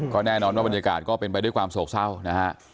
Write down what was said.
ก็แน่นอนว่าบรรยากาศก็เป็นไปด้วยความโศกเศร้านะฮะ